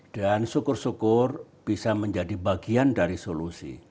dan syukur syukur bisa menjadi bagian dari solusi